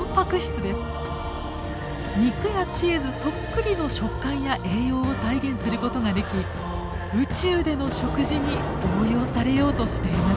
肉やチーズそっくりの食感や栄養を再現することができ宇宙での食事に応用されようとしています。